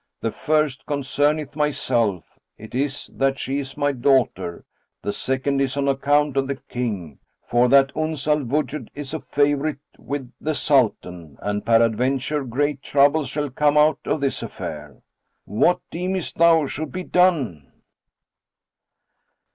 The first concerneth myself; it is, that she is my daughter: the second is on account of the King; for that Uns al Wujud is a favourite with the Sultan and peradventure great troubles shall come out of this affair. What deemest thou should be done?"